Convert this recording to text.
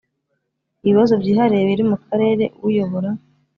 ibibazo byihariye biri mu Karere uyobora